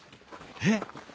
えっ？